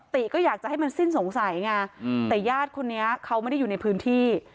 ติก็อยากจะให้มันสิ้นสงสัยไงแต่ญาติคนนี้เขาไม่ได้อยู่ในพื้นที่